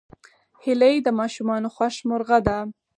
هیلۍ د ماشومانو خوښ مرغه ده